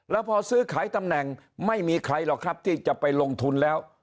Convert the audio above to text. แล้วพอซื้อขายตำแหน่งไม่มีใครหรอกครับที่จะไปลงทุนแล้ว